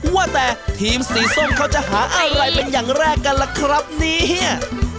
ว่าแต่ทีมสีส้มเขาจะหาอะไรเป็นอย่างแรกกันล่ะครับเนี่ย